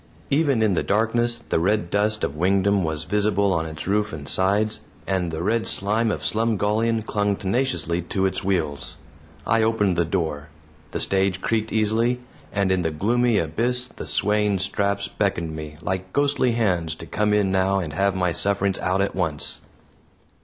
Even in the darkness the red dust of Wingdam was visible on its roof and sides, and the red slime of Slumgullion clung tenaciously to its wheels. I opened the door; the stage creaked easily, and in the gloomy abyss the swaying straps beckoned me, like ghostly hands, to come in now and have my sufferings out at once.